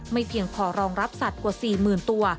เพียงพอรองรับสัตว์กว่า๔๐๐๐ตัว